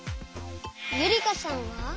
ゆりかさんは？